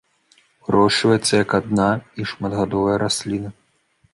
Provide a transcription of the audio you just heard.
Вырошчваецца як адна- і шматгадовая расліна.